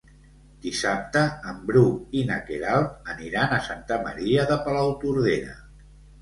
Dissabte en Bru i na Queralt aniran a Santa Maria de Palautordera.